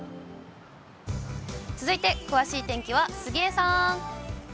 続いて詳しい天気は杉江さん。